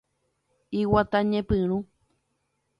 Iguata ñepyrũ.